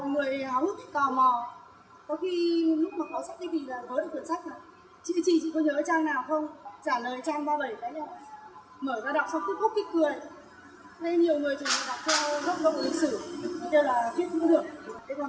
mọi người lúc nào cũng tò mò